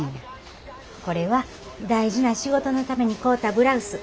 これは大事な仕事のために買うたブラウス。